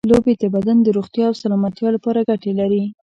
لوبې د بدن د روغتیا او سلامتیا لپاره ګټې لري.